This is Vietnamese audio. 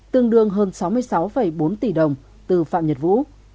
tương đương hơn sáu mươi sáu bốn tỷ đồng từ phạm nhật vũ